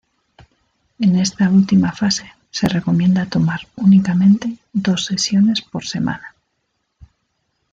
En esta última fase se recomienda tomar únicamente dos sesiones por semana.